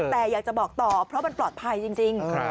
แต่อยากจะบอกต่อเพราะมันปลอดภัยจริง